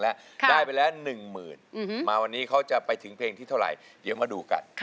วันนี้เขาจะไปถึงเพลงที่เท่าไรเดี๋ยวมาดูกัน